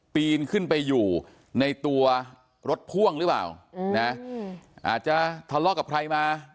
ปีนขึ้นไปอยู่ในตัวรถพ่วงหรือเปล่านะอาจจะทะเลาะกับใครมา